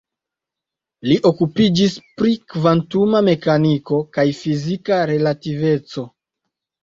Li okupiĝis pri kvantuma mekaniko kaj fizika relativeco.